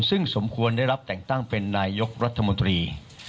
ซึ่งสมควรได้รับแต่งตั้งเป็นนายกรัฐมนตรี